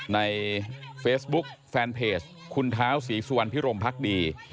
ในเฟซบุ๊กแฟนเพจคุณเท้าศรีสุวรรณพิรมพักดี